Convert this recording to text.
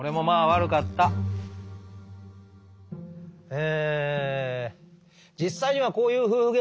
え